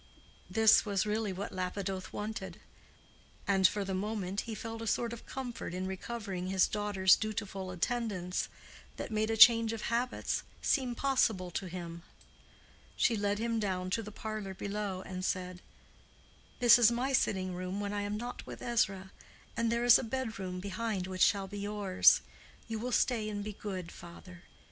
This was really what Lapidoth wanted. And for the moment he felt a sort of comfort in recovering his daughter's dutiful attendance, that made a change of habits seem possible to him. She led him down to the parlor below, and said, "This is my sitting room when I am not with Ezra, and there is a bedroom behind which shall be yours. You will stay and be good, father.